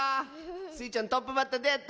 スイちゃんトップバッターどうやった？